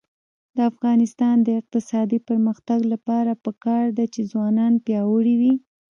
د افغانستان د اقتصادي پرمختګ لپاره پکار ده چې ځوانان پیاوړي وي.